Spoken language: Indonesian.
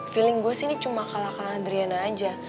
feeling gue sih ini cuma kalah kalah adriana aja